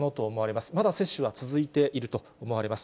まだ接種は続いていると思われます。